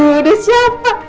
duh udah siapa